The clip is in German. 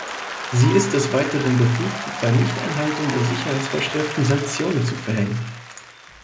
Sie ist des Weiteren befugt, bei Nichteinhaltung der Sicherheitsvorschriften Sanktionen zu verhängen.